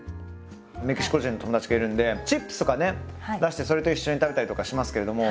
メキシコ人の友達がいるんでチップスとかね出してそれと一緒に食べたりとかしますけれども。